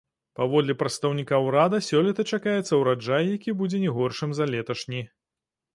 Паводле прадстаўніка ўрада, сёлета чакаецца ўраджай, які будзе не горшым за леташні.